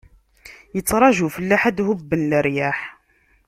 Ittṛaǧu ufellaḥ, ad d-hubben leryaḥ.